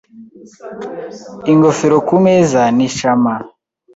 Ingofero kumeza ni Chama .